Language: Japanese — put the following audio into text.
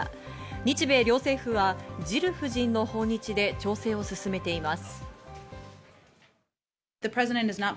日米両政府はジル夫人の訪日で調整を進めています。